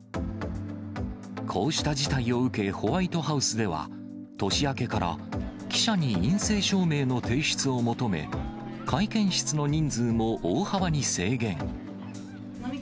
こうした事態を受け、ホワイトハウスでは、年明けから記者に陰性証明の提出を求め、会見室の人数も大幅に制限。